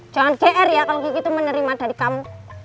jangan gr ya kalo kiki tuh menerima dari kamu